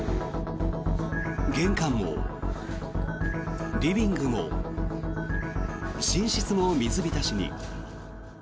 玄関も、リビングも寝室も水浸しに。